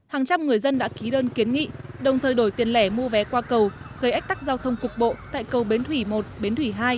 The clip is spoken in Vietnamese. hàng trăm người dân đã ký đơn kiến nghị đồng thời đổi tiền lẻ mua vé qua cầu gây ách tắc giao thông cục bộ tại cầu bến thủy một bến thủy hai